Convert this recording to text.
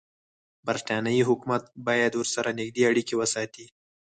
برټانیې حکومت باید ورسره نږدې اړیکې وساتي.